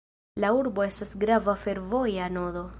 La urbo estas grava fervoja nodo.